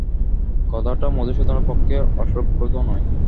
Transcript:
কথাটা মধুসূদনের পক্ষে অসংগত নয়।